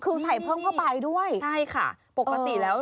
ใช่ค่ะ